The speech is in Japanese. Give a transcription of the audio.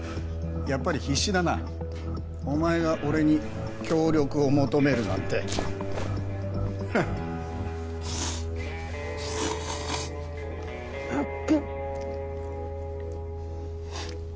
やっぱり必死だなお前が俺に協力を求めるなんてハッ熱っ！